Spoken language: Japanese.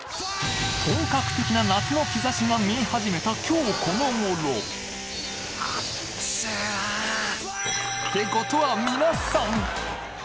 本格的な夏の兆しが見え始めた今日この頃ってことは皆さん！